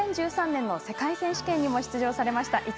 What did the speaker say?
２０１３年の世界選手権にも出場されました